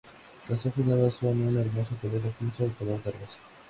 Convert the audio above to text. Las hojas nuevas son un hermoso color rojizo o color de rosa.